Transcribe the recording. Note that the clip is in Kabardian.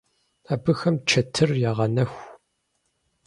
Абыхэм чэтыр ягъэнэху.